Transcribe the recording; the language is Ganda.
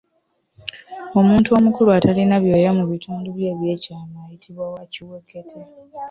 Omuntu omukulu atalina byoya mu bitundu bye eby’ekyama ayitibwa wa kiwekete.